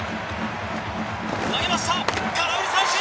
投げました空振り三振！